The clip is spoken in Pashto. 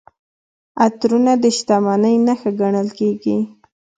عطرونه د شتمنۍ نښه ګڼل کیږي.